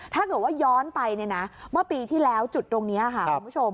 ถ้าเกิดว่าย้อนไปเนี่ยนะเมื่อปีที่แล้วจุดตรงนี้ค่ะคุณผู้ชม